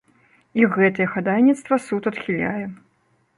І гэтае хадайніцтва суд адхіляе.